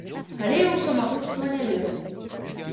Але і ў самагубства не веру.